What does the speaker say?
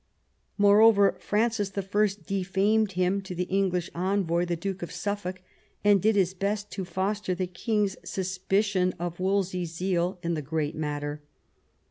Moreover, Francis I. defamed him to the English envoy, the Duke of Suffolk, and did his best to foster the king's suspicion of Wolsey's zeal in "the great matter."